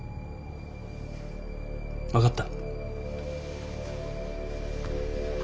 分かった。